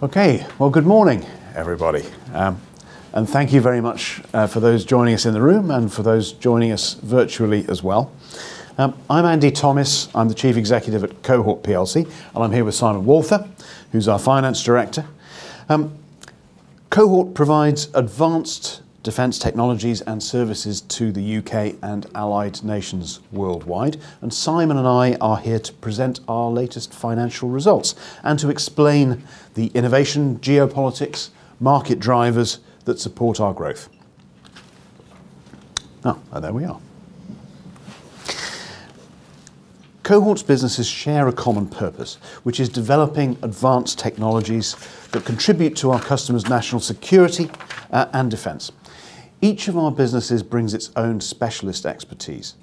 Okay. Well, good morning, everybody, and thank you very much for those joining us in the room and for those joining us virtually as well. I'm Andy Thomis. I'm the Chief Executive at Cohort PLC, and I'm here with Simon Walther, who's our Finance Director. Cohort provides advanced defense technologies and services to the U.K. and allied nations worldwide. Simon and I are here to present our latest financial results and to explain the innovation geopolitics market drivers that support our growth. Oh, there we are. Cohort's businesses share a common purpose, which is developing advanced technologies that contribute to our customers' national security and defense. Each of our businesses brings its own specialist expertise.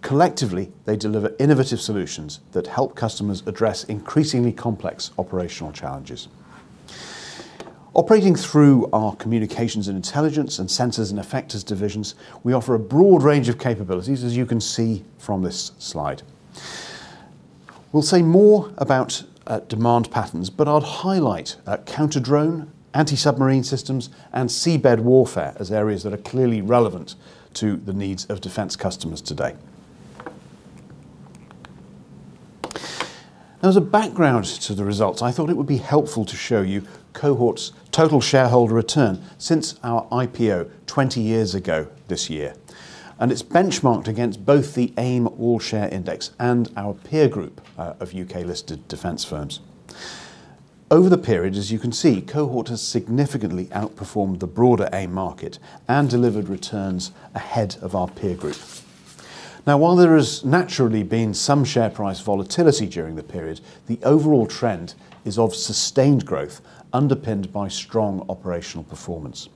Collectively, they deliver innovative solutions that help customers address increasingly complex operational challenges. Operating through our Communications and Intelligence and Sensors and Effectors divisions, we offer a broad range of capabilities, as you can see from this slide. We'll say more about demand patterns. I'd highlight counter-drone, anti-submarine systems, and seabed warfare as areas that are clearly relevant to the needs of defense customers today. As a background to the results, I thought it would be helpful to show you Cohort's total shareholder return since our IPO 20 years ago this year. It's benchmarked against both the AIM All-Share Index and our peer group of U.K.-listed defense firms. Over the period, as you can see, Cohort has significantly outperformed the broader AIM market and delivered returns ahead of our peer group. While there has naturally been some share price volatility during the period, the overall trend is of sustained growth underpinned by strong operational performance,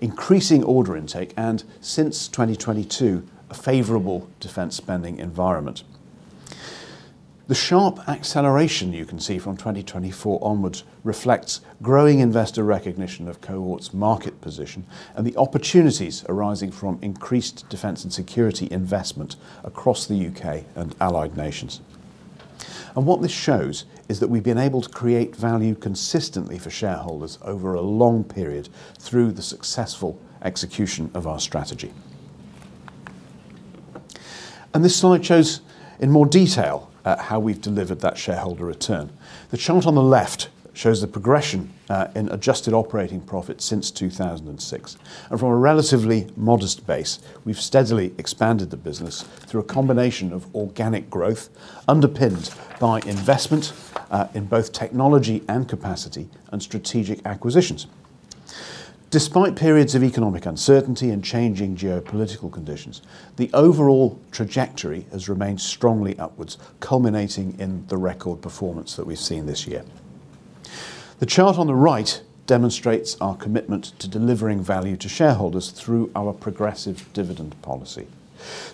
increasing order intake, and, since 2022, a favorable defense spending environment. The sharp acceleration you can see from 2024 onwards reflects growing investor recognition of Cohort's market position and the opportunities arising from increased defense and security investment across the U.K. and allied nations. What this shows is that we've been able to create value consistently for shareholders over a long period through the successful execution of our strategy. This slide shows in more detail how we've delivered that shareholder return. The chart on the left shows the progression in adjusted operating profit since 2006. From a relatively modest base, we've steadily expanded the business through a combination of organic growth, underpinned by investment in both technology and capacity and strategic acquisitions. Despite periods of economic uncertainty and changing geopolitical conditions, the overall trajectory has remained strongly upwards, culminating in the record performance that we've seen this year. The chart on the right demonstrates our commitment to delivering value to shareholders through our progressive dividend policy.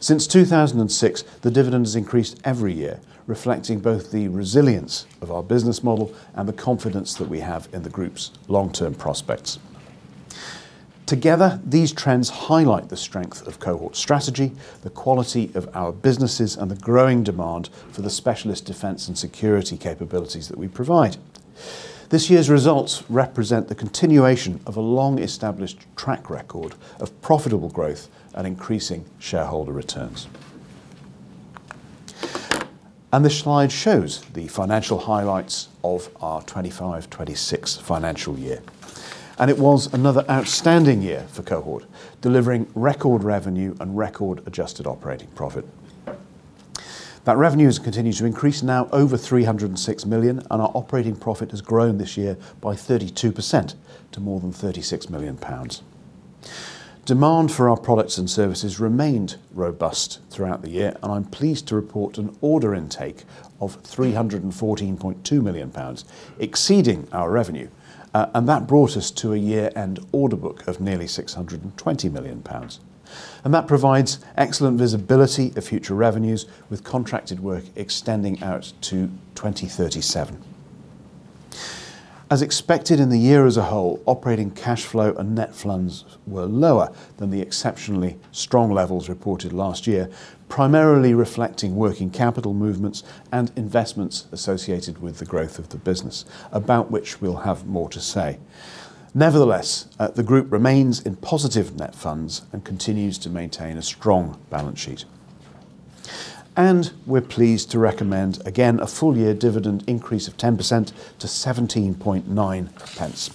Since 2006, the dividend has increased every year, reflecting both the resilience of our business model and the confidence that we have in the group's long-term prospects. Together, these trends highlight the strength of Cohort's strategy, the quality of our businesses, and the growing demand for the specialist defense and security capabilities that we provide. This year's results represent the continuation of a long-established track record of profitable growth and increasing shareholder returns. This slide shows the financial highlights of our 2025/2026 financial year. It was another outstanding year for Cohort, delivering record revenue and record adjusted operating profit. That revenue has continued to increase, now over 306 million. Our operating profit has grown this year by 32% to more than 36 million pounds. Demand for our products and services remained robust throughout the year. I am pleased to report an order intake of 314.2 million pounds, exceeding our revenue, and that brought us to a year-end order book of nearly 620 million pounds. That provides excellent visibility of future revenues with contracted work extending out to 2037. As expected in the year as a whole, operating cash flow and net funds were lower than the exceptionally strong levels reported last year, primarily reflecting working capital movements and investments associated with the growth of the business, about which we will have more to say. Nevertheless, the group remains in positive net funds and continues to maintain a strong balance sheet. We are pleased to recommend, again, a full-year dividend increase of 10% to 0.179,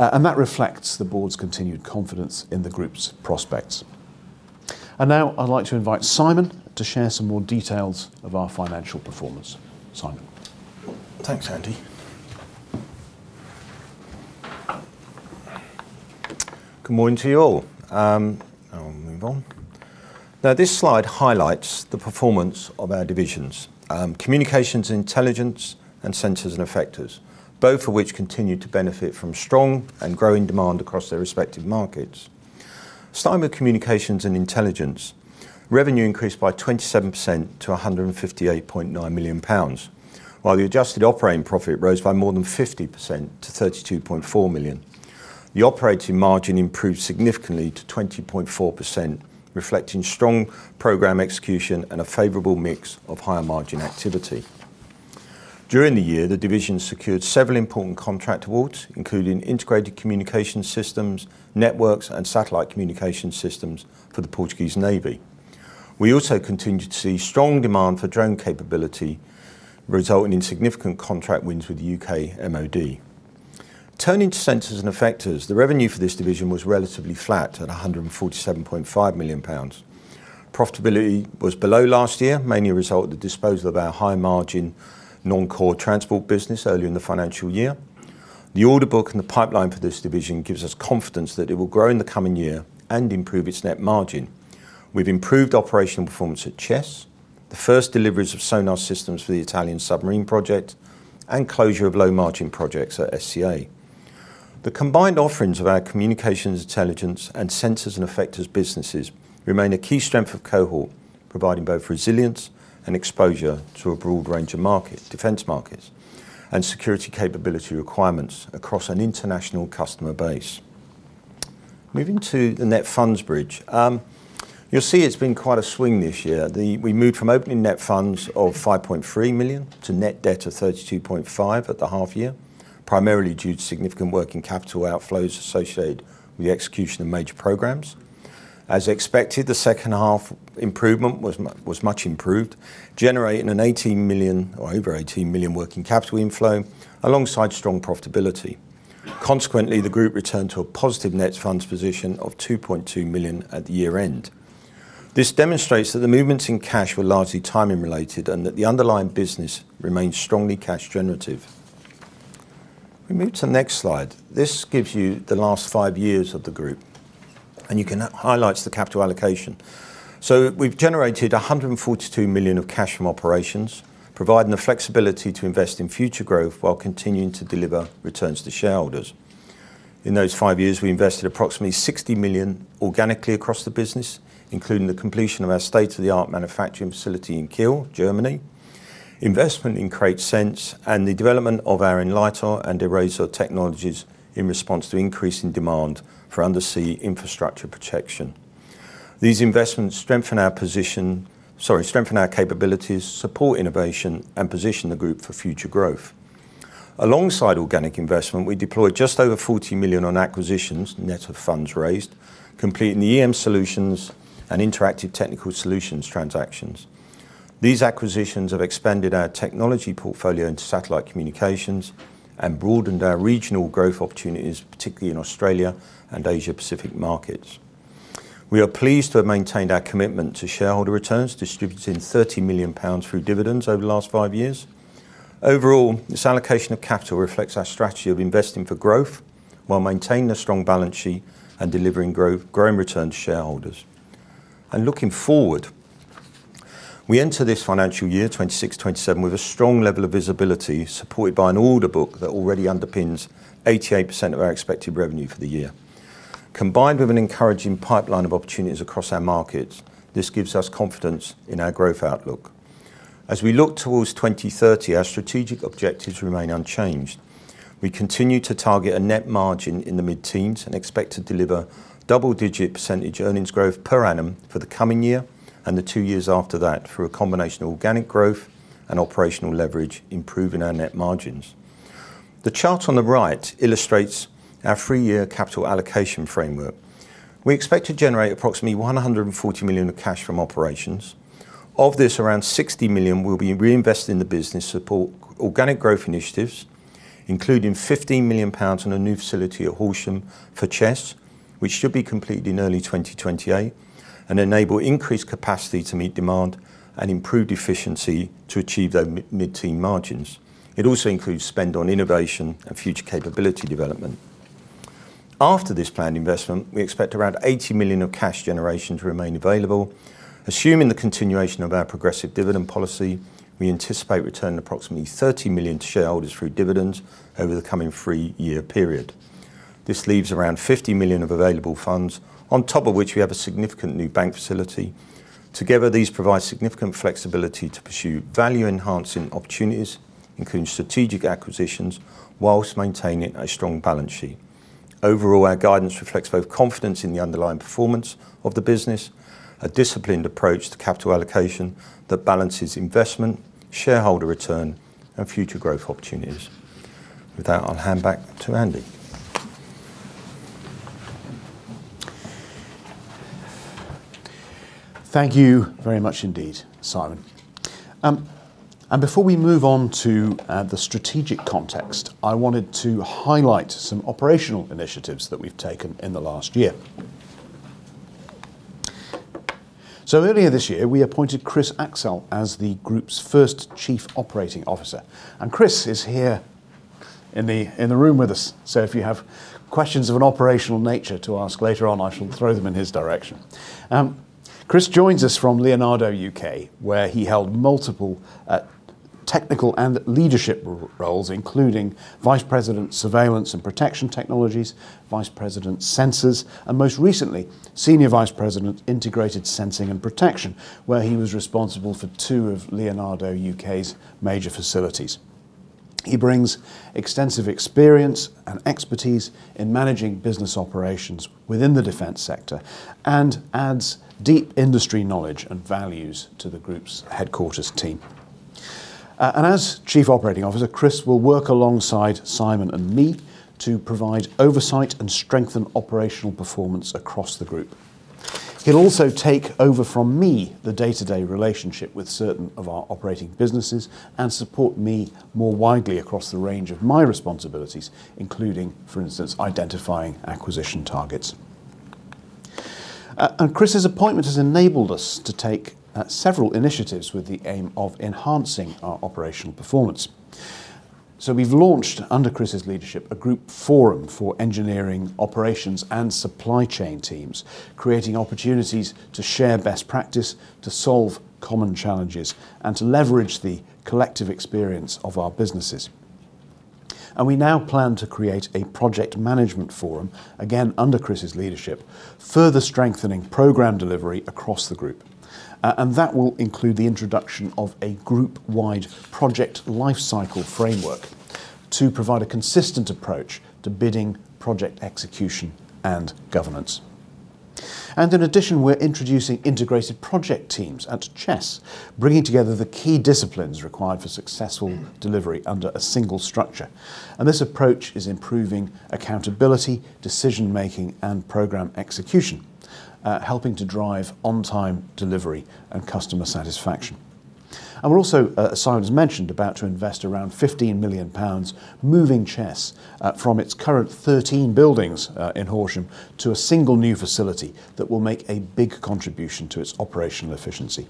and that reflects the board's continued confidence in the group's prospects. Now I would like to invite Simon to share some more details of our financial performance. Simon? Thanks, Andy. Good morning to you all. I will move on. Now, this slide highlights the performance of our divisions, Communications and Intelligence, and Sensors and Effectors, both of which continue to benefit from strong and growing demand across their respective markets. Starting with Communications and Intelligence, revenue increased by 27% to 158.9 million pounds, while the adjusted operating profit rose by more than 50% to 32.4 million. The operating margin improved significantly to 20.4%, reflecting strong program execution and a favorable mix of higher margin activity. During the year, the division secured several important contract awards, including integrated communication systems, networks, and satellite communication systems for the Portuguese Navy. We also continued to see strong demand for drone capability, resulting in significant contract wins with the U.K. MOD. Turning to Sensors and Effectors, the revenue for this division was relatively flat at 147.5 million pounds. Profitability was below last year, mainly a result of the disposal of our high margin, non-core transport business earlier in the financial year. The order book and the pipeline for this division gives us confidence that it will grow in the coming year and improve its net margin with improved operational performance at Chess, the first deliveries of sonar systems for the Italian submarine project, and closure of low margin projects at SEA. The combined offerings of our Communications and Intelligence and Sensors and Effectors businesses remain a key strength of Cohort, providing both resilience and exposure to a broad range of defense markets and security capability requirements across an international customer base. Moving to the net funds bridge. You will see it has been quite a swing this year. We moved from opening net funds of 5.3 million to net debt of 32.5 million at the half year, primarily due to significant working capital outflows associated with the execution of major programs. As expected, the second half improvement was much improved, generating an over 18 million working capital inflow alongside strong profitability. Consequently, the group returned to a positive net funds position of 2.2 million at the year-end. This demonstrates that the movements in cash were largely timing related and that the underlying business remains strongly cash generative. We move to the next slide. This gives you the last five years of the group, you can highlight the capital allocation. We've generated 142 million of cash from operations, providing the flexibility to invest in future growth while continuing to deliver returns to shareholders. In those five years, we invested approximately 60 million organically across the business, including the completion of our state-of-the-art manufacturing facility in Kiel, Germany, investment in KraitSense, and the development of our Enlitor and Erazor technologies in response to increasing demand for undersea infrastructure protection. These investments strengthen our capabilities, support innovation, and position the group for future growth. Alongside organic investment, we deployed just over 40 million on acquisitions, net of funds raised, completing the EM Solutions and Interactive Technical Solutions transactions. These acquisitions have expanded our technology portfolio into satellite communications and broadened our regional growth opportunities, particularly in Australia and Asia Pacific markets. We are pleased to have maintained our commitment to shareholder returns, distributing 30 million pounds through dividends over the last five years. Overall, this allocation of capital reflects our strategy of investing for growth while maintaining a strong balance sheet and delivering growing returns to shareholders. Looking forward, we enter this financial year, 2026/2027, with a strong level of visibility, supported by an order book that already underpins 88% of our expected revenue for the year. Combined with an encouraging pipeline of opportunities across our markets, this gives us confidence in our growth outlook. As we look towards 2030, our strategic objectives remain unchanged. We continue to target a net margin in the mid-teens and expect to deliver double-digit percentage earnings growth per annum for the coming year and the two years after that through a combination of organic growth and operational leverage improving our net margins. The chart on the right illustrates our three-year capital allocation framework. We expect to generate approximately 140 million of cash from operations. Of this, around 60 million will be reinvested in the business support organic growth initiatives, including 15 million pounds on a new facility at Horsham for Chess, which should be completed in early 2028 and enable increased capacity to meet demand and improved efficiency to achieve those mid-teen margins. It also includes spend on innovation and future capability development. After this planned investment, we expect around 80 million of cash generation to remain available. Assuming the continuation of our progressive dividend policy, we anticipate returning approximately 30 million to shareholders through dividends over the coming three-year period. This leaves around 50 million of available funds, on top of which we have a significant new bank facility. Together, these provide significant flexibility to pursue value-enhancing opportunities, including strategic acquisitions, whilst maintaining a strong balance sheet. Overall, our guidance reflects both confidence in the underlying performance of the business, a disciplined approach to capital allocation that balances investment, shareholder return, and future growth opportunities. With that, I'll hand back to Andy. Thank you very much indeed, Simon. Before we move on to the strategic context, I wanted to highlight some operational initiatives that we've taken in the last year. Earlier this year, we appointed Chris Axcell as the group's first Chief Operating Officer, Chris is here in the room with us. If you have questions of an operational nature to ask later on, I shall throw them in his direction. Chris joins us from Leonardo U.K., where he held multiple technical and leadership roles, including Vice President of Surveillance and Protection Technologies, Vice President of Sensors, and most recently, Senior Vice President Integrated Sensing and Protection, where he was responsible for two of Leonardo UK's major facilities. He brings extensive experience and expertise in managing business operations within the defense sector and adds deep industry knowledge and values to the group's headquarters team. As Chief Operating Officer, Chris will work alongside Simon and me to provide oversight and strengthen operational performance across the group. He'll also take over from me the day-to-day relationship with certain of our operating businesses and support me more widely across the range of my responsibilities, including, for instance, identifying acquisition targets. Chris's appointment has enabled us to take several initiatives with the aim of enhancing our operational performance. We've launched, under Chris's leadership, a group forum for engineering, operations, and supply chain teams, creating opportunities to share best practice, to solve common challenges, and to leverage the collective experience of our businesses. We now plan to create a project management forum, again, under Chris's leadership, further strengthening program delivery across the group. That will include the introduction of a group-wide project life cycle framework to provide a consistent approach to bidding, project execution, and governance. In addition, we're introducing integrated project teams at Chess, bringing together the key disciplines required for successful delivery under a single structure. This approach is improving accountability, decision-making, and program execution, helping to drive on-time delivery and customer satisfaction. We're also, as Simon's mentioned, about to invest around 15 million pounds, moving Chess from its current 13 buildings in Horsham to a single new facility that will make a big contribution to its operational efficiency.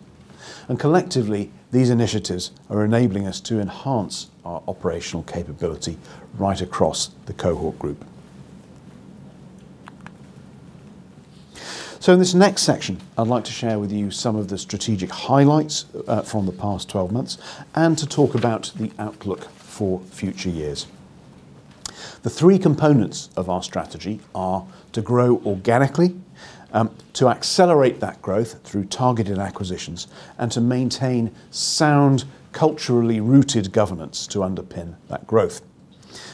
Collectively, these initiatives are enabling us to enhance our operational capability right across the Cohort group. In this next section, I'd like to share with you some of the strategic highlights from the past 12 months and to talk about the outlook for future years. The three components of our strategy are to grow organically, to accelerate that growth through targeted acquisitions, and to maintain sound, culturally rooted governance to underpin that growth.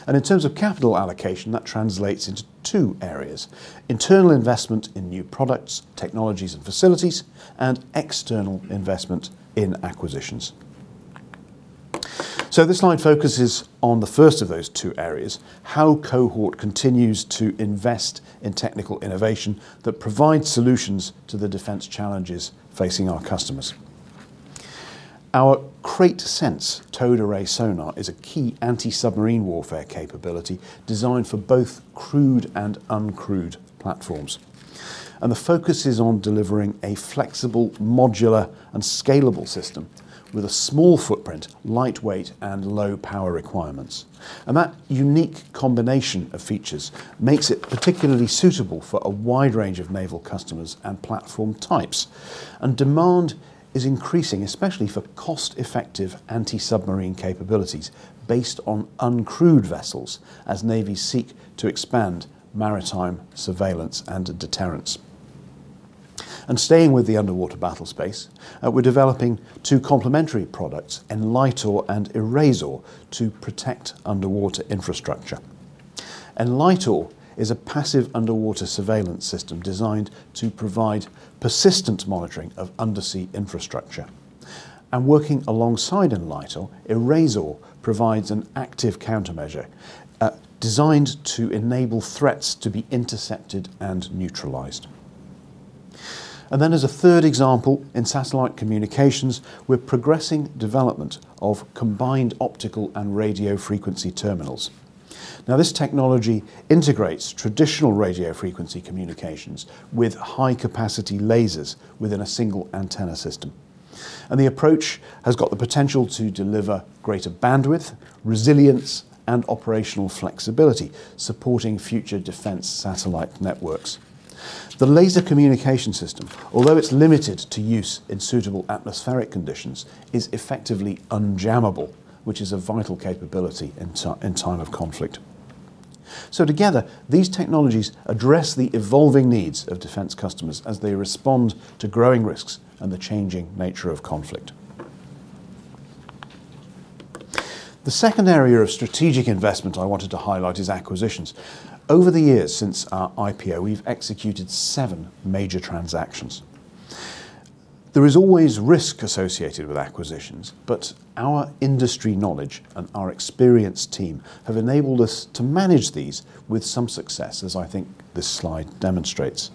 In terms of capital allocation, that translates into two areas, internal investment in new products, technologies, and facilities, and external investment in acquisitions. This slide focuses on the first of those two areas, how Cohort continues to invest in technical innovation that provides solutions to the defense challenges facing our customers. Our KraitSense towed array sonar is a key anti-submarine warfare capability designed for both crewed and uncrewed platforms. The focus is on delivering a flexible, modular, and scalable system with a small footprint, lightweight, and low power requirements. That unique combination of features makes it particularly suitable for a wide range of naval customers and platform types. Demand is increasing, especially for cost-effective anti-submarine capabilities based on uncrewed vessels as navies seek to expand maritime surveillance and deterrence. Staying with the underwater battle space, we're developing two complementary products, Enlitor and Erazor, to protect underwater infrastructure. Enlitor is a passive underwater surveillance system designed to provide persistent monitoring of undersea infrastructure. Working alongside Enlitor, Erazor provides an active countermeasure designed to enable threats to be intercepted and neutralized. As a third example, in satellite communications, we're progressing development of combined optical and radio frequency terminals. This technology integrates traditional radio frequency communications with high-capacity lasers within a single antenna system. The approach has got the potential to deliver greater bandwidth, resilience, and operational flexibility, supporting future defense satellite networks. The laser communication system, although it's limited to use in suitable atmospheric conditions, is effectively unjammable, which is a vital capability in time of conflict. Together, these technologies address the evolving needs of defense customers as they respond to growing risks and the changing nature of conflict. The second area of strategic investment I wanted to highlight is acquisitions. Over the years since our IPO, we've executed seven major transactions. There is always risk associated with acquisitions, but our industry knowledge and our experienced team have enabled us to manage these with some success, as I think this slide demonstrates.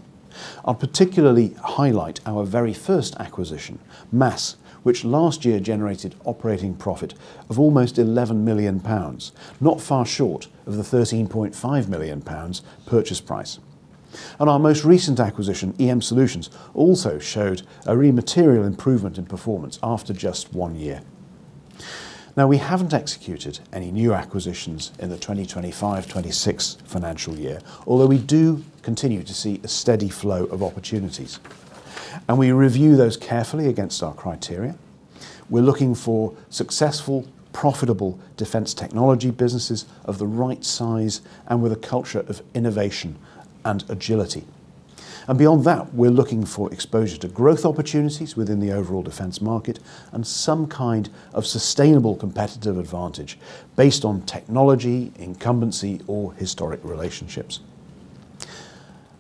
I particularly highlight our very first acquisition, MASS, which last year generated operating profit of almost 11 million pounds, not far short of the 13.5 million pounds purchase price. Our most recent acquisition, EM Solutions, also showed a real material improvement in performance after just one year. We haven't executed any new acquisitions in the 2025/2026 financial year, although we do continue to see a steady flow of opportunities, and we review those carefully against our criteria. We're looking for successful, profitable defense technology businesses of the right size and with a culture of innovation and agility. Beyond that, we're looking for exposure to growth opportunities within the overall defense market and some kind of sustainable competitive advantage based on technology, incumbency, or historic relationships.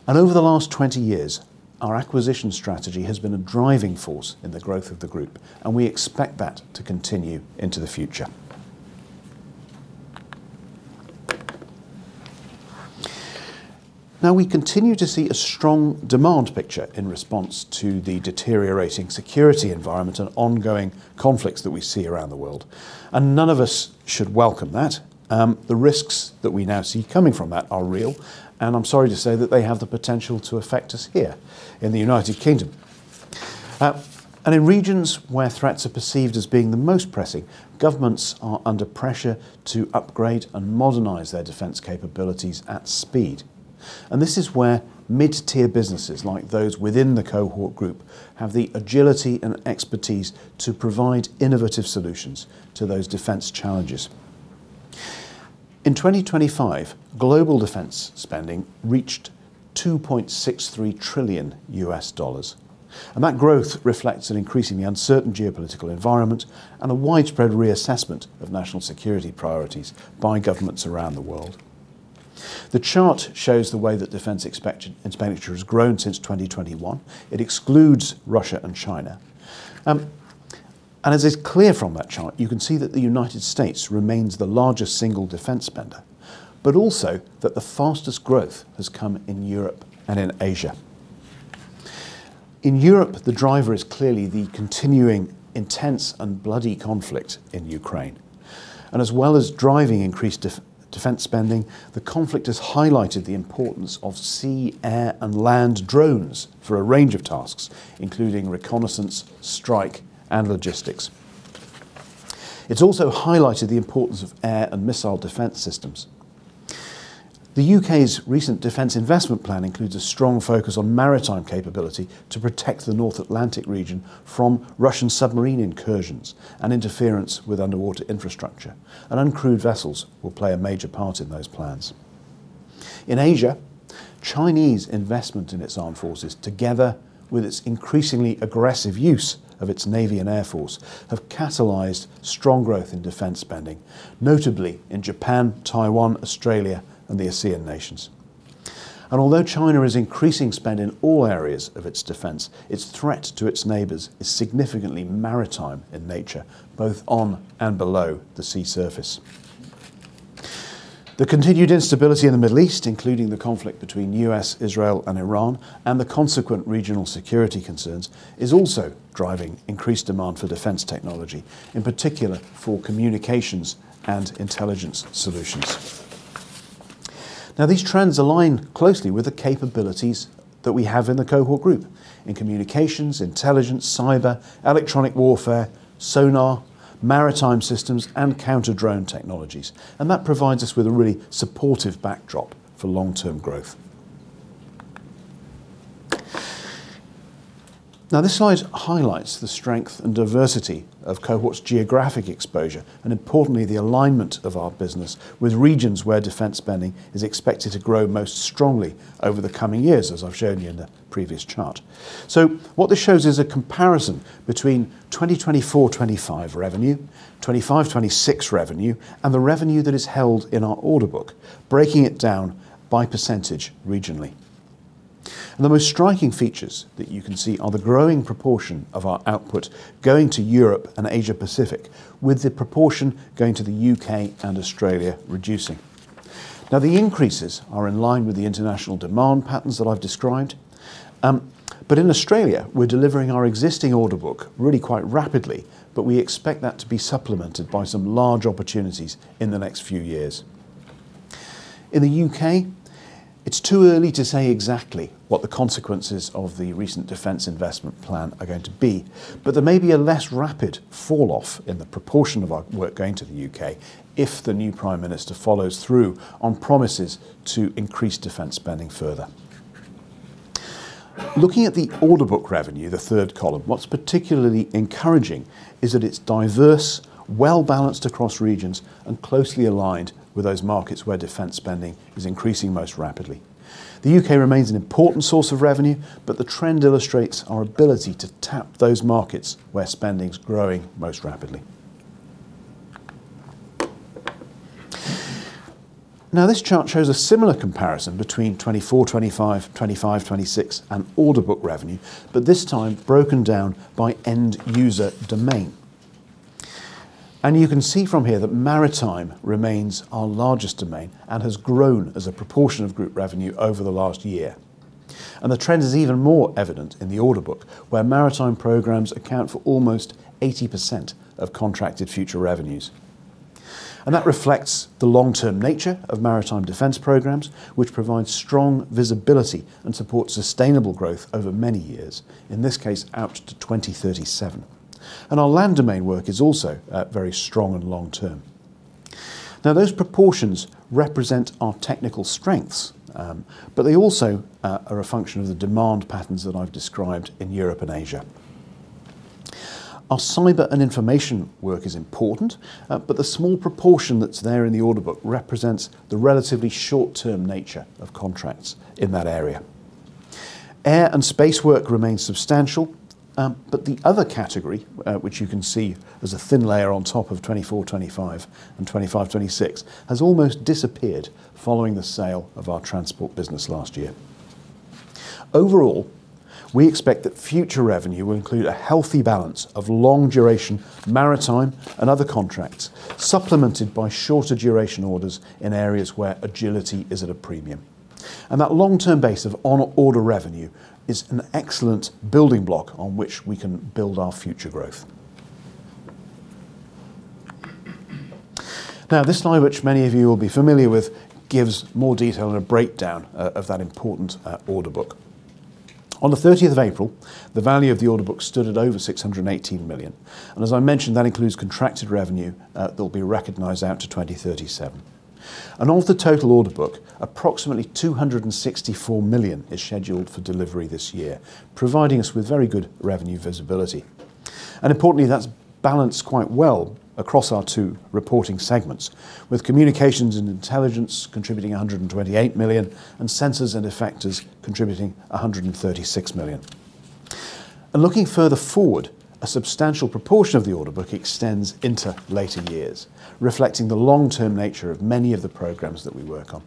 Over the last 20 years, our acquisition strategy has been a driving force in the growth of the group, and we expect that to continue into the future. We continue to see a strong demand picture in response to the deteriorating security environment and ongoing conflicts that we see around the world, none of us should welcome that. The risks that we now see coming from that are real. I am sorry to say that they have the potential to affect us here in the U.K. In regions where threats are perceived as being the most pressing, governments are under pressure to upgrade and modernize their defense capabilities at speed. This is where mid-tier businesses, like those within the Cohort group, have the agility and expertise to provide innovative solutions to those defense challenges. In 2025, global defense spending reached $2.63 trillion. That growth reflects an increasingly uncertain geopolitical environment and a widespread reassessment of national security priorities by governments around the world. The chart shows the way that defense expenditure has grown since 2021. It excludes Russia and China. As is clear from that chart, you can see that the U.S. remains the largest single defense spender, but also that the fastest growth has come in Europe and in Asia. In Europe, the driver is clearly the continuing intense and bloody conflict in Ukraine. As well as driving increased defense spending, the conflict has highlighted the importance of sea, air, and land drones for a range of tasks, including reconnaissance, strike, and logistics. It has also highlighted the importance of air and missile defense systems. The U.K.'s recent defense investment plan includes a strong focus on maritime capability to protect the North Atlantic region from Russian submarine incursions and interference with underwater infrastructure, and uncrewed vessels will play a major part in those plans. In Asia, Chinese investment in its armed forces, together with its increasingly aggressive use of its navy and air force, have catalyzed strong growth in defense spending, notably in Japan, Taiwan, Australia, and the ASEAN nations. Although China is increasing spend in all areas of its defense, its threat to its neighbors is significantly maritime in nature, both on and below the sea surface. The continued instability in the Middle East, including the conflict between U.S., Israel, and Iran, and the consequent regional security concerns, is also driving increased demand for defense technology, in particular for Communications and Intelligence solutions. These trends align closely with the capabilities that we have in the Cohort group in communications, intelligence, cyber, electronic warfare, sonar, maritime systems, and counter-drone technologies, and that provides us with a really supportive backdrop for long-term growth. This slide highlights the strength and diversity of Cohort's geographic exposure and, importantly, the alignment of our business with regions where defense spending is expected to grow most strongly over the coming years, as I have shown you in the previous chart. What this shows is a comparison between 2024-2025 revenue, 2025-2026 revenue, and the revenue that is held in our order book, breaking it down by percentage regionally. The most striking features that you can see are the growing proportion of our output going to Europe and Asia-Pacific, with the proportion going to the U.K. and Australia reducing. The increases are in line with the international demand patterns that I have described, but in Australia, we are delivering our existing order book really quite rapidly, but we expect that to be supplemented by some large opportunities in the next few years. In the U.K., it's too early to say exactly what the consequences of the recent defense investment plan are going to be. There may be a less rapid fall-off in the proportion of our work going to the U.K. if the new prime minister follows through on promises to increase defense spending further. Looking at the order book revenue, the third column, what's particularly encouraging is that it's diverse, well-balanced across regions, and closely aligned with those markets where defense spending is increasing most rapidly. The U.K. remains an important source of revenue, the trend illustrates our ability to tap those markets where spending is growing most rapidly. This chart shows a similar comparison between 2024/2025, 2025/2026, and order book revenue, this time broken down by end user domain. You can see from here that maritime remains our largest domain and has grown as a proportion of group revenue over the last year. The trend is even more evident in the order book, where maritime programs account for almost 80% of contracted future revenues. That reflects the long-term nature of maritime defense programs, which provide strong visibility and support sustainable growth over many years, in this case, out to 2037. Our land domain work is also very strong and long-term. Those proportions represent our technical strengths, they also are a function of the demand patterns that I've described in Europe and Asia. Our cyber and information work is important, the small proportion that's there in the order book represents the relatively short-term nature of contracts in that area. Air and space work remains substantial, the other category, which you can see as a thin layer on top of 2024/2025 and 2025/2026, has almost disappeared following the sale of our transport business last year. Overall, we expect that future revenue will include a healthy balance of long-duration maritime and other contracts, supplemented by shorter duration orders in areas where agility is at a premium. That long-term base of on-order revenue is an excellent building block on which we can build our future growth. This slide, which many of you will be familiar with, gives more detail and a breakdown of that important order book. On April 30th, the value of the order book stood at over 618 million, as I mentioned, that includes contracted revenue that will be recognized out to 2037. Of the total order book, approximately 264 million is scheduled for delivery this year, providing us with very good revenue visibility. Importantly, that's balanced quite well across our two reporting segments, with Communications and Intelligence contributing 128 million and Sensors and Effectors contributing 136 million. Looking further forward, a substantial proportion of the order book extends into later years, reflecting the long-term nature of many of the programs that we work on.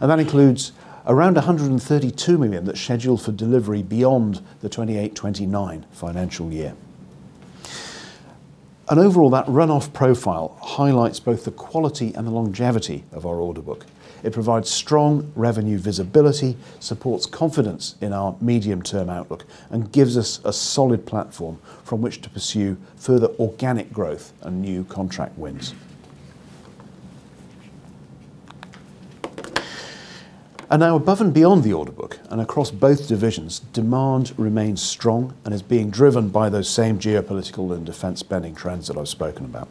That includes around 132 million that's scheduled for delivery beyond the 2028/2029 financial year. Overall, that run-off profile highlights both the quality and the longevity of our order book. It provides strong revenue visibility, supports confidence in our medium-term outlook, and gives us a solid platform from which to pursue further organic growth and new contract wins. Now above and beyond the order book and across both divisions, demand remains strong and is being driven by those same geopolitical and defense spending trends that I've spoken about.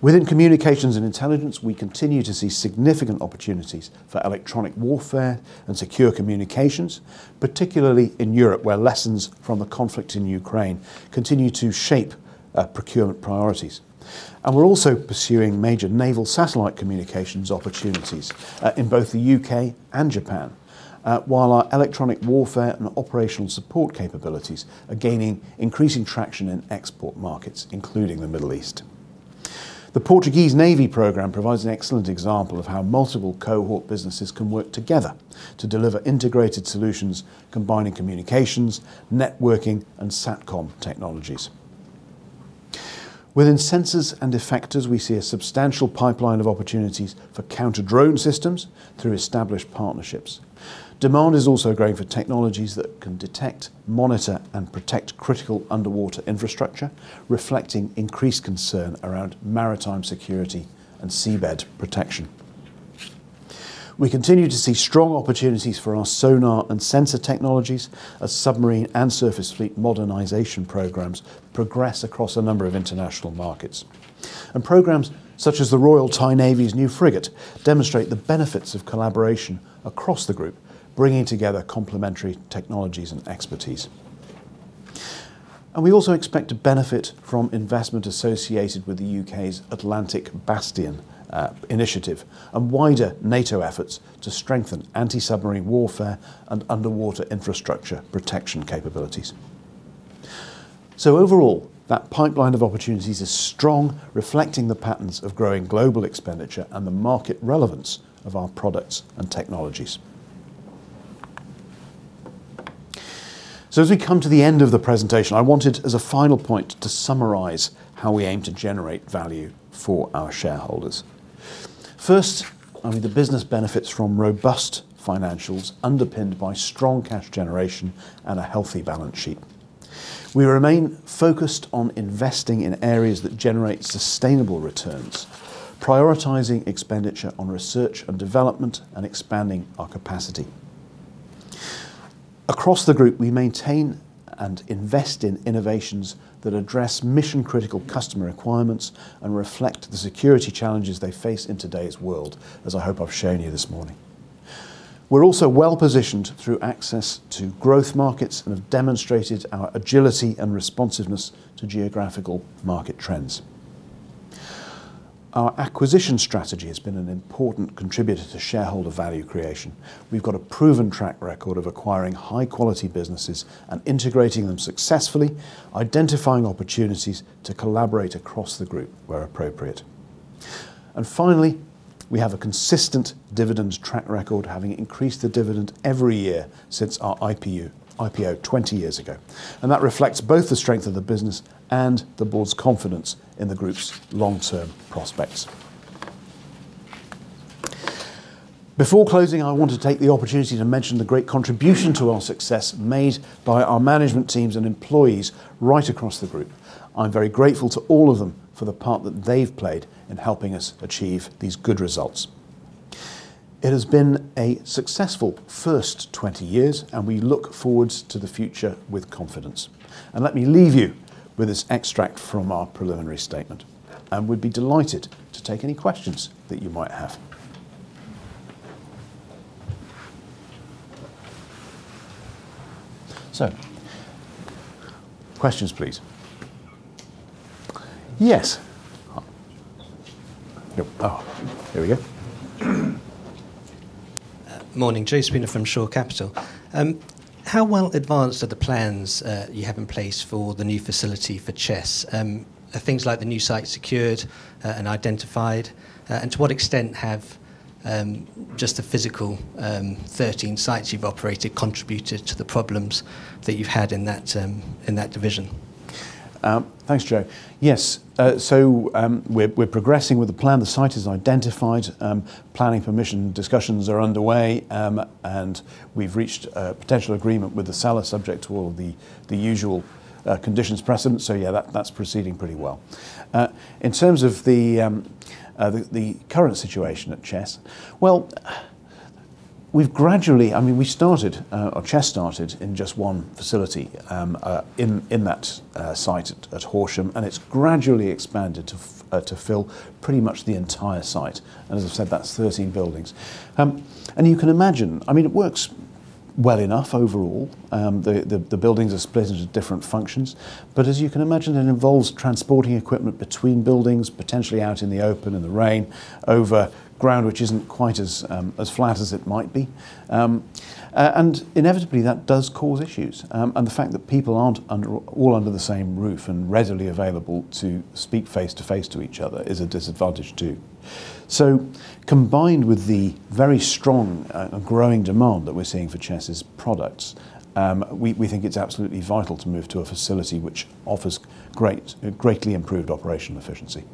Within Communications and Intelligence, we continue to see significant opportunities for electronic warfare and secure communications, particularly in Europe, where lessons from the conflict in Ukraine continue to shape procurement priorities. We're also pursuing major naval satellite communications opportunities in both the U.K. and Japan, while our electronic warfare and operational support capabilities are gaining increasing traction in export markets, including the Middle East. The Portuguese Navy program provides an excellent example of how multiple Cohort businesses can work together to deliver integrated solutions combining communications, networking, and SATCOM technologies. Within Sensors and Effectors, we see a substantial pipeline of opportunities for counter-drone systems through established partnerships. Demand is also growing for technologies that can detect, monitor, and protect critical underwater infrastructure, reflecting increased concern around maritime security and seabed protection. We continue to see strong opportunities for our sonar and sensor technologies as submarine and surface fleet modernization programs progress across a number of international markets. Programs such as the Royal Thai Navy's new frigate demonstrate the benefits of collaboration across the group, bringing together complementary technologies and expertise. We also expect to benefit from investment associated with the U.K.'s Atlantic Bastion initiative and wider NATO efforts to strengthen anti-submarine warfare and underwater infrastructure protection capabilities. Overall, that pipeline of opportunities is strong, reflecting the patterns of growing global expenditure and the market relevance of our products and technologies. As we come to the end of the presentation, I wanted as a final point to summarize how we aim to generate value for our shareholders. First, the business benefits from robust financials underpinned by strong cash generation and a healthy balance sheet. We remain focused on investing in areas that generate sustainable returns, prioritizing expenditure on research and development, and expanding our capacity. Across the group, we maintain and invest in innovations that address mission-critical customer requirements and reflect the security challenges they face in today's world, as I hope I've shown you this morning. We're also well-positioned through access to growth markets and have demonstrated our agility and responsiveness to geographical market trends. Our acquisition strategy has been an important contributor to shareholder value creation. We've got a proven track record of acquiring high-quality businesses and integrating them successfully, identifying opportunities to collaborate across the group where appropriate. Finally, we have a consistent dividend track record, having increased the dividend every year since our IPO 20 years ago. That reflects both the strength of the business and the board's confidence in the group's long-term prospects. Before closing, I want to take the opportunity to mention the great contribution to our success made by our management teams and employees right across the group. I'm very grateful to all of them for the part that they've played in helping us achieve these good results. It has been a successful first 20 years, and we look forward to the future with confidence. Let me leave you with this extract from our preliminary statement, and we'd be delighted to take any questions that you might have. Questions please. Yes. Here we go. Morning, Joe Spooner from Shore Capital. How well advanced are the plans you have in place for the new facility for Chess? Are things like the new site secured and identified, and to what extent have just the physical 13 sites you've operated contributed to the problems that you've had in that division? Thanks, Joe. Yes. We're progressing with the plan. The site is identified. Planning permission discussions are underway, we've reached potential agreement with the seller subject to all the usual conditions precedent. That's proceeding pretty well. In terms of the current situation at Chess, well, Chess started in just one facility in that site at Horsham, it's gradually expanded to fill pretty much the entire site. As I said, that's 13 buildings. You can imagine, it works well enough overall. The buildings are split into different functions. As you can imagine, it involves transporting equipment between buildings, potentially out in the open in the rain, over ground which isn't quite as flat as it might be. Inevitably that does cause issues. The fact that people aren't all under the same roof and readily available to speak face-to-face to each other is a disadvantage, too. Combined with the very strong, growing demand that we're seeing for Chess's products, we think it's absolutely vital to move to a facility which offers greatly improved operational efficiency.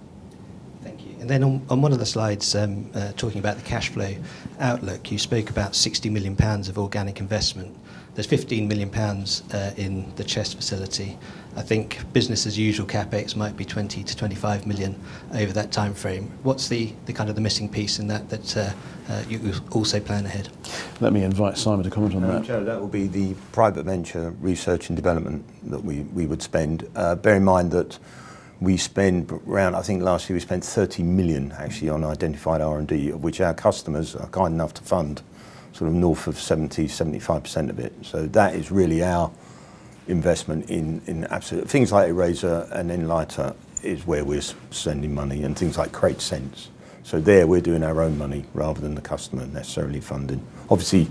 Thank you. On one of the slides, talking about the cash flow outlook, you spoke about 60 million pounds of organic investment. There is 15 million pounds in the Chess facility. I think business as usual CapEx might be 20 million-25 million over that timeframe. What is the missing piece in that that you also plan ahead? Let me invite Simon to comment on that. Joe, that would be the private venture research and development that we would spend. Bear in mind that we spend around, I think last year we spent 30 million actually on identified R&D, which our customers are kind enough to fund north of 70%-75% of it. That is really our investment in absolute. Things like Erazor and Enlitor is where we are spending money and things like KraitSense. There we are doing our own money rather than the customer necessarily funding. Obviously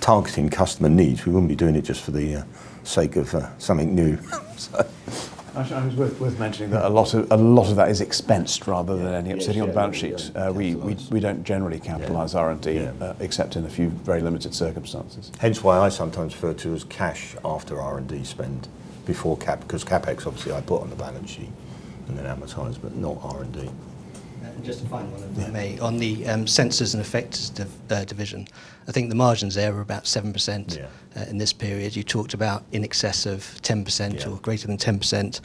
targeting customer needs, we would not be doing it just for the sake of something new. Actually, I think it is worth mentioning that a lot of that is expensed rather than sitting on balance sheets. We do not generally capitalize R&D except in a few very limited circumstances. Hence why I sometimes refer to as cash after R&D spend before CapEx, because CapEx obviously I put on the balance sheet and then amortize, but not R&D. Just a final one, if I may. On the Sensors and Effectors division, I think the margins there are about 7% in this period. You talked about in excess of 10% or greater than 10%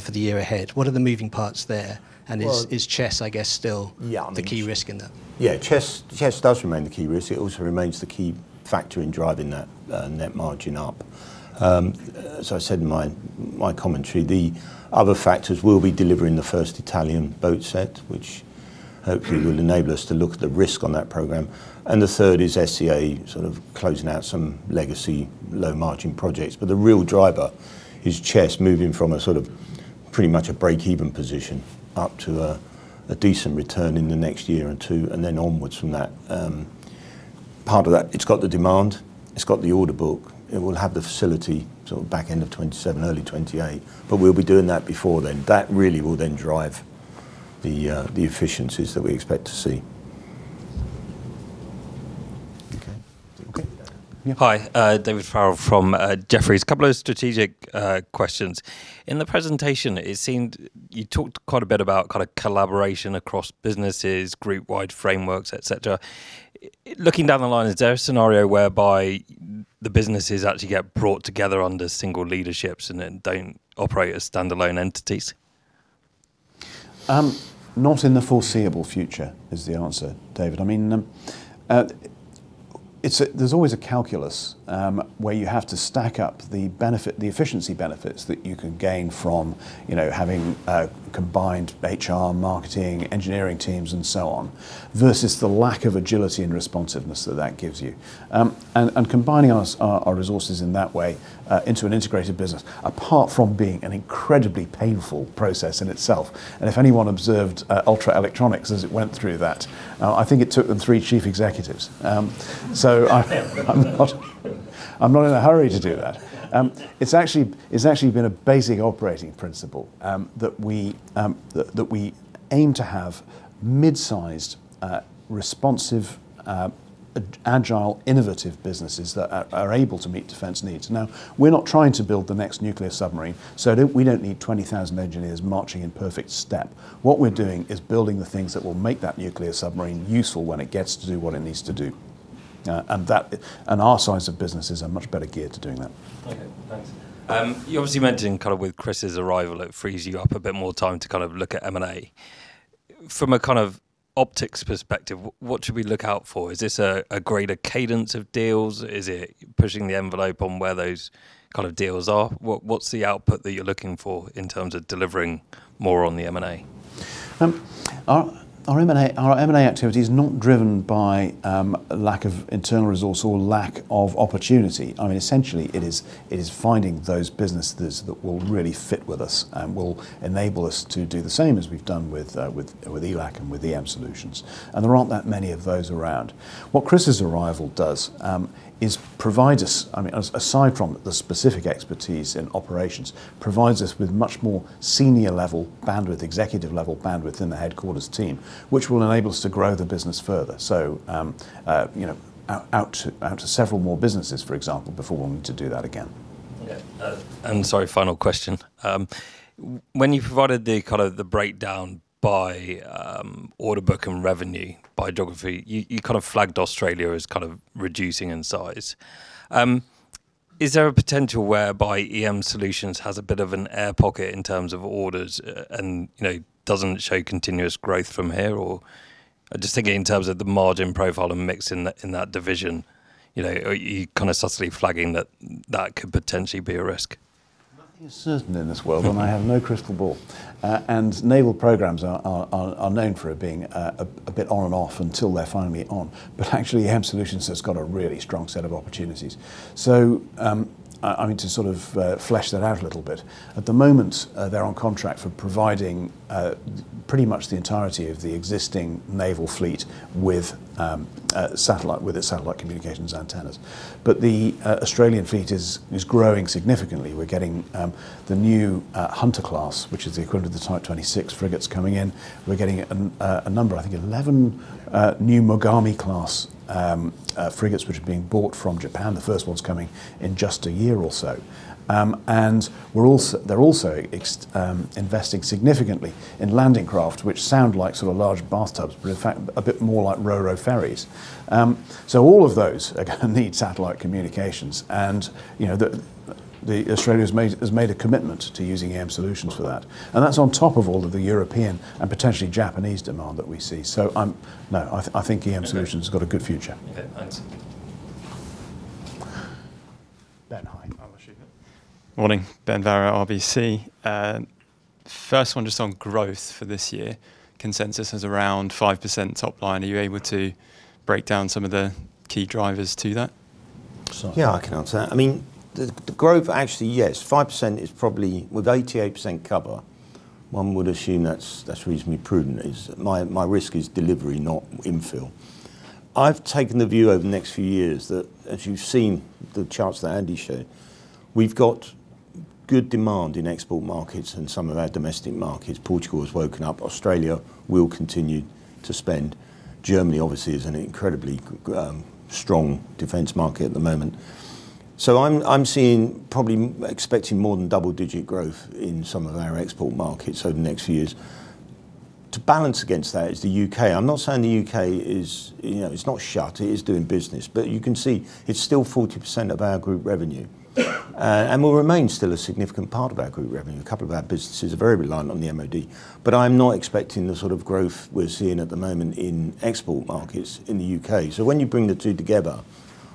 for the year ahead. What are the moving parts there, and is Chess, I guess, still the key risk in that? Yeah, Chess does remain the key risk. It also remains the key factor in driving that net margin up. As I said in my commentary, the other factors will be delivering the first Italian boat set, which hopefully will enable us to look at the risk on that program. The third is SEA closing out some legacy low-margin projects. The real driver is Chess moving from a pretty much a break-even position up to a decent return in the next year or two, and then onwards from that. Part of that, it's got the demand, it's got the order book, it will have the facility back end of 2027, early 2028. We'll be doing that before then. That really will then drive the efficiencies that we expect to see. Okay. Hi, David Farrell from Jefferies. Couple of strategic questions. In the presentation, it seemed you talked quite a bit about collaboration across businesses, group wide frameworks, et cetera. Looking down the line, is there a scenario whereby the businesses actually get brought together under single leaderships and then don't operate as standalone entities? Not in the foreseeable future is the answer, David. There's always a calculus, where you have to stack up the efficiency benefits that you can gain from having combined HR, marketing, engineering teams, and so on, versus the lack of agility and responsiveness that that gives you. Combining our resources in that way into an integrated business, apart from being an incredibly painful process in itself, and if anyone observed Ultra Electronics as it went through that, I think it took them three chief executives. I'm not in a hurry to do that. It's actually been a basic operating principle, that we aim to have mid-sized, responsive, agile, innovative businesses that are able to meet defense needs. We're not trying to build the next nuclear submarine, so we don't need 20,000 engineers marching in perfect step. What we're doing is building the things that will make that nuclear submarine useful when it gets to do what it needs to do. Our size of business is much better geared to doing that. Okay, thanks. You obviously mentioned with Chris's arrival, it frees you up a bit more time to look at M&A. From a kind of optics perspective, what should we look out for? Is this a greater cadence of deals? Is it pushing the envelope on where those kind of deals are? What's the output that you're looking for in terms of delivering more on the M&A? Our M&A activity is not driven by lack of internal resource or lack of opportunity. Essentially it is finding those businesses that will really fit with us and will enable us to do the same as we've done with ELAC and with EM Solutions. There aren't that many of those around. What Chris' arrival does, aside from the specific expertise in operations, provides us with much more senior level bandwidth, executive level bandwidth in the headquarters team. Which will enable us to grow the business further. Out to several more businesses, for example, before wanting to do that again. Sorry, final question. When you provided the breakdown by order book and revenue by geography, you flagged Australia as reducing in size. Is there a potential whereby EM Solutions has a bit of an air pocket in terms of orders and doesn't show continuous growth from here? Or just thinking in terms of the margin profile and mix in that division, are you subtly flagging that that could potentially be a risk? Nothing is certain in this world, I have no crystal ball. Naval programs are known for being a bit on and off until they're finally on. Actually, EM Solutions has got a really strong set of opportunities. To flesh that out a little bit, at the moment, they're on contract for providing pretty much the entirety of the existing naval fleet with its satellite communications antennas. The Australian fleet is growing significantly. We're getting the new Hunter class, which is the equivalent of the Type 26 frigates coming in. We're getting a number, I think 11 new Mogami class frigates, which are being bought from Japan. The first one's coming in just a year or so. They're also investing significantly in landing craft, which sound like large bathtubs, but in fact, a bit more like RoRo ferries. All of those are going to need satellite communications and Australia has made a commitment to using EM Solutions for that. That's on top of all of the European and potentially Japanese demand that we see. No, I think EM Solutions has got a good future. Okay, thanks. Ben, hi. Morning, Ben Varrow, RBC. First one just on growth for this year. Consensus is around 5% top line. Are you able to break down some of the key drivers to that? Simon? Yeah, I can answer that. The growth, actually, yes, 5% is probably, with 88% cover, one would assume that's reasonably prudent. My risk is delivery, not infill. I've taken the view over the next few years that, as you've seen the charts that Andy showed, we've got good demand in export markets and some of our domestic markets. Portugal has woken up, Australia will continue to spend. Germany obviously is an incredibly strong defense market at the moment. I'm probably expecting more than double-digit growth in some of our export markets over the next few years. To balance against that is the U.K. I'm not saying the U.K. is not shut, it is doing business, but you can see it's still 40% of our group revenue. Will remain still a significant part of our group revenue. A couple of our businesses are very reliant on the MOD. I'm not expecting the sort of growth we're seeing at the moment in export markets in the U.K. When you bring the two together,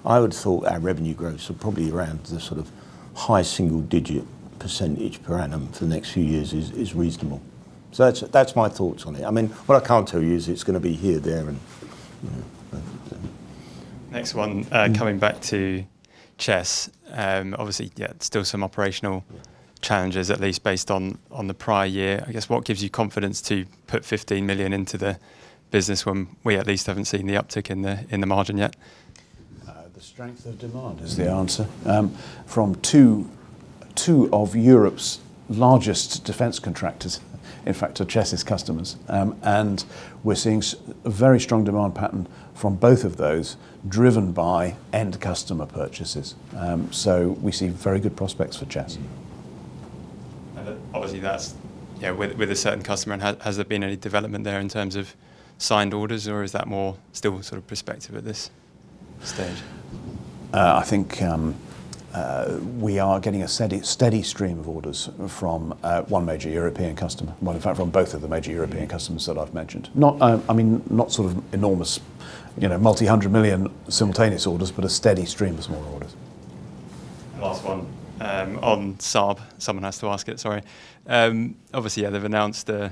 I would have thought our revenue growths are probably around the sort of high single-digit percentage per annum for the next few years is reasonable. That's my thoughts on it. What I can't tell you is it's going to be here, there, and you know. Next one, coming back to Chess. Obviously, yeah, still some operational challenges, at least based on the prior year. I guess what gives you confidence to put 15 million into the business when we at least haven't seen the uptick in the margin yet? The strength of demand is the answer, from two of Europe's largest defence contractors, in fact, are Chess' customers. We're seeing a very strong demand pattern from both of those driven by end customer purchases. We see very good prospects for Chess. Obviously that's with a certain customer. Has there been any development there in terms of signed orders or is that more still sort of prospective at this stage? I think we are getting a steady stream of orders from one major European customer. Well, in fact, from both of the major European customers that I've mentioned. Not sort of enormous multi-hundred million simultaneous orders, but a steady stream of smaller orders. Last one, on Saab, someone has to ask it, sorry. Obviously, yeah, they've announced a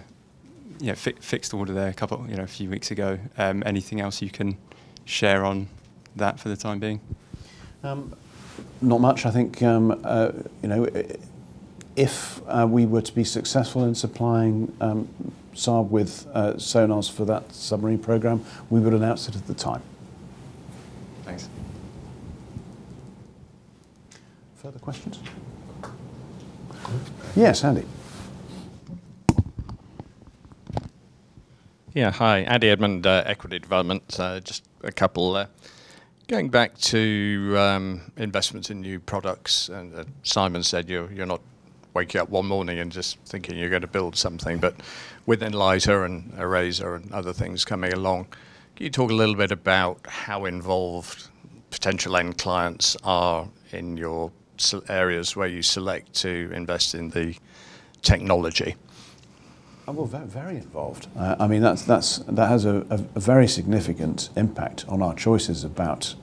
fixed order there a few weeks ago. Anything else you can share on that for the time being? Not much. I think, if we were to be successful in supplying Saab with sonars for that submarine program, we would announce it at the time. Thanks. Further questions? Yes, Andy. Yeah, hi, Andy Edmond, Equity Development. Just a couple. Going back to investments in new products, Simon said you're not waking up one morning and just thinking you're going to build something. With Enlitor and Erazor and other things coming along, can you talk a little bit about how involved potential end clients are in your areas where you select to invest in the technology? Oh, very involved. That has a very significant impact on our choices about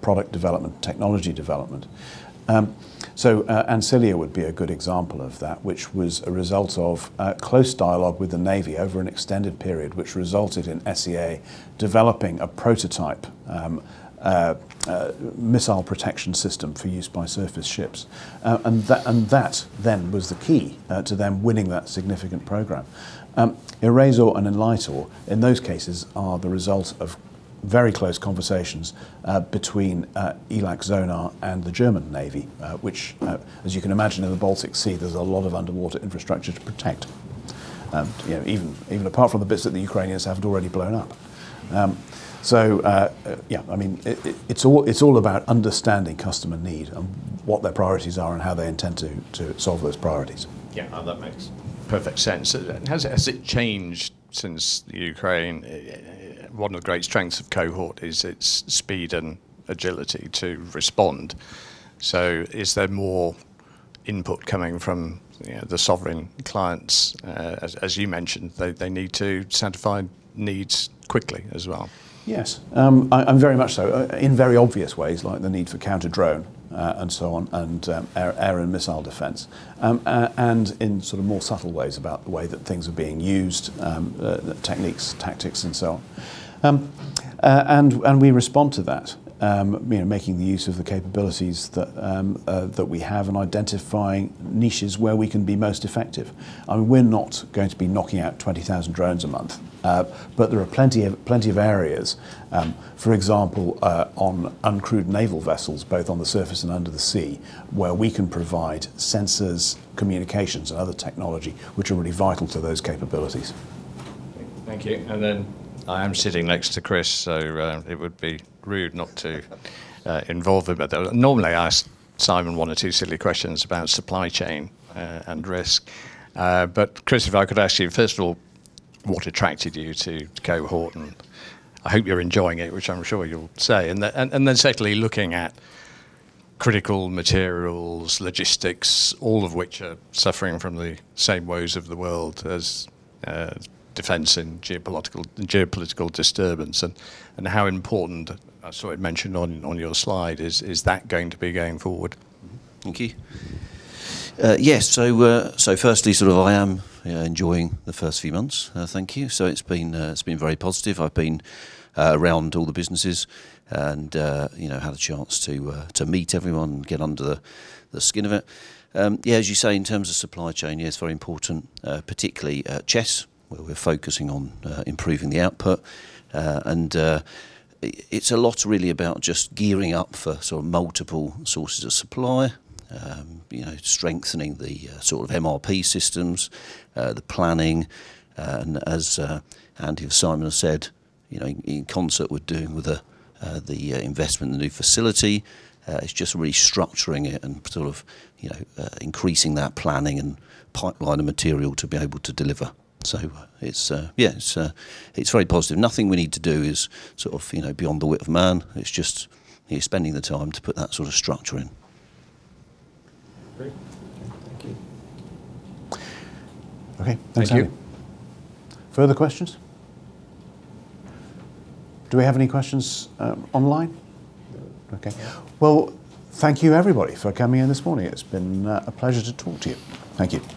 product development, technology development. Ancilia would be a good example of that, which was a result of a close dialogue with the Navy over an extended period, which resulted in SEA developing a prototype missile protection system for use by surface ships. That then was the key to them winning that significant program. Erazor and Enlitor, in those cases, are the result of very close conversations between ELAC SONAR and the German Navy which, as you can imagine, in the Baltic Sea, there's a lot of underwater infrastructure to protect, even apart from the bits that the Ukrainians haven't already blown up. Yeah, it's all about understanding customer need and what their priorities are and how they intend to solve those priorities. Yeah, that makes perfect sense. Has it changed since Ukraine? One of the great strengths of Cohort is its speed and agility to respond. Is there more input coming from the sovereign clients? As you mentioned, they need to sanctify needs quickly as well. Yes, very much so, in very obvious ways, like the need for counter-drone and so on, and air and missile defense, and in more subtle ways about the way that things are being used, techniques, tactics, and so on. We respond to that, making the use of the capabilities that we have and identifying niches where we can be most effective. We're not going to be knocking out 20,000 drones a month, there are plenty of areas, for example, on uncrewed naval vessels, both on the surface and under the sea, where we can provide sensors, communications, and other technology which are really vital to those capabilities. Thank you. I am sitting next to Chris, so it would be rude not to involve him. Normally, I ask Simon one or two silly questions about supply chain and risk. Chris, if I could ask you, first of all, what attracted you to Cohort? I hope you're enjoying it, which I'm sure you'll say. Secondly, looking at critical materials, logistics, all of which are suffering from the same woes of the world as defense and geopolitical disturbance, and how important, I saw it mentioned on your slide, is that going to be going forward? Thank you. Firstly, I am enjoying the first few months. Thank you. It's been very positive. I've been around all the businesses and had a chance to meet everyone, get under the skin of it. As you say, in terms of supply chain, it's very important, particularly at Chess, where we're focusing on improving the output. It's a lot, really, about just gearing up for multiple sources of supply, strengthening the MRP systems, the planning, and as Andy or Simon said, in concert with doing the investment in the new facility, it's just restructuring it and increasing that planning and pipeline of material to be able to deliver. It's very positive. Nothing we need to do is beyond the wit of man. It's just spending the time to put that sort of structure in. Okay. Thank you. Further questions? Do we have any questions online? Okay. Well, thank you, everybody, for coming in this morning. It has been a pleasure to talk to you. Thank you.